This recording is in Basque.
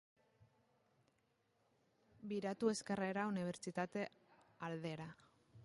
Biratu ezkerrera unibertsitate aldera.